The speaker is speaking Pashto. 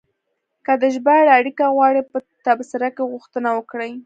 که د ژباړې اړیکه غواړئ، په تبصره کې غوښتنه وکړئ.